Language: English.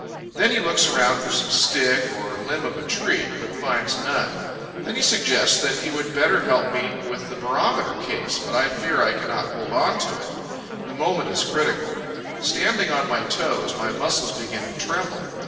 Then he looks around for some stick or limb of a tree, but finds none. Then he suggests that he would better help me with the barometer case, but I fear I cannot hold on to it. The moment is critical. Standing on my toes, my muscles begin to tremble.